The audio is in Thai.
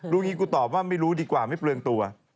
ยิ่งกูตอบว่าไม่รู้ดีกว่าไม่เปลืองตัว